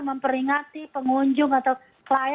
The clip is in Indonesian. memperbaiki dan memperbaiki